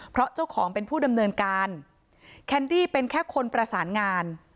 เพราะเจ้าของเป็นผู้ดำเนินการแคนดี้เป็นแค่คนประสานงาน